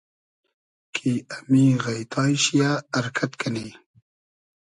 کی امی غݷتای شی یۂ ارکئد کئنی